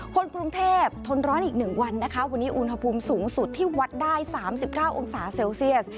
คนกรุงเทพทนร้อนอีก๑วันนะคะวันนี้อุณหภูมิสูงสุดที่วัดได้๓๙องศาเซลเซียส